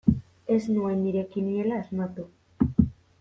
Ez nuen nire kiniela asmatu.